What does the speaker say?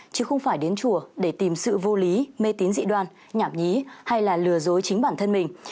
chứ không phải đến chùa để tìm sự vô lý mê tín dị đoan nhảm nhí hay là lừa dối chính bản thân mình